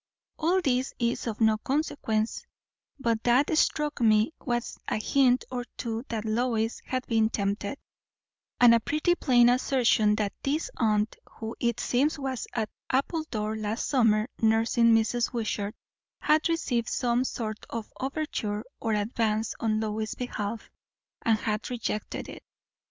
All this is of no consequence; but what struck me was a hint or two that Lois had been tempted; and a pretty plain assertion that this aunt, who it seems was at Appledore last summer nursing Mrs. Wishart, had received some sort of overture or advance on Lois's behalf, and had rejected it.